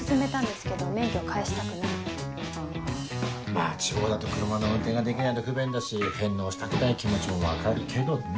まぁ地方だと車の運転ができないと不便だし返納したくない気持ちも分かるけどね。